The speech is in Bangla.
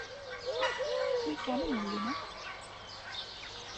তুই কেন মরলি না!